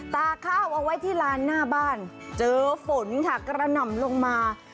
ตาข้าวเอาไว้ที่ลานหน้าบ้านเจอฝนค่ะกระหน่ำลงมา